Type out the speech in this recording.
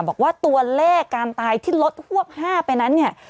บอกว่าตัวเลขการตายที่ลดฮวบ๕ไปนั้นเนี่ย